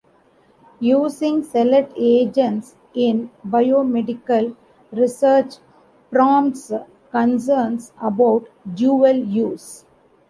Using select agents in biomedical research prompts concerns about dual use.